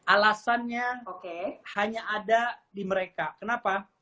alasannya hanya ada di mereka kenapa